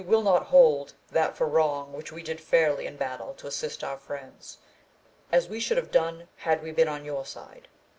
will not hold that for wrong which we did fairly in battle to assist our friends, as we should have done had we been on your side.